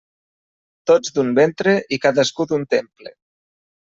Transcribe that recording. Tots d'un ventre, i cadascú d'un temple.